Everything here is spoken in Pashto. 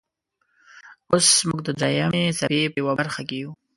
اوس موږ د دریمې څپې په یوه برخې کې یو.